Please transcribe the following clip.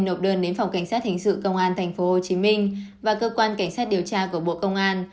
nộp đơn đến phòng cảnh sát hình sự công an tp hcm và cơ quan cảnh sát điều tra của bộ công an